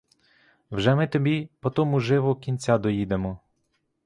Вже ми тобі потому живо кінця доїдемо.